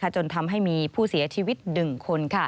จนทำให้มีผู้เสียชีวิต๑คน